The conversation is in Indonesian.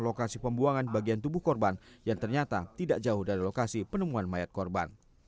lokasi pembuangan bagian tubuh korban yang ternyata tidak jauh dari lokasi penemuan mayat korban